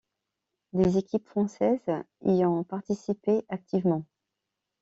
Des équipes françaises y ont participé activement.